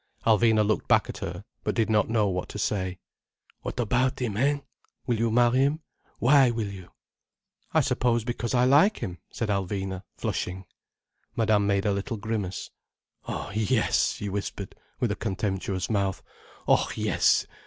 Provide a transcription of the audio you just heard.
Alvina looked back at her, but did not know what to say. "What about him, hein? Will you marry him? Why will you?" "I suppose because I like him," said Alvina, flushing. Madame made a little grimace. "Oh yes!" she whispered, with a contemptuous mouth. "Oh yes!